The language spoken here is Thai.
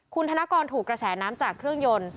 คุณธนกรถูกกระแสน้ำจากเครื่องยนต์